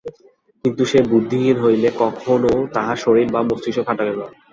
কিন্তু সে বুদ্ধিহীন হইল, কখনও তাহার শরীর বা মস্তিস্ক খাটাইল না।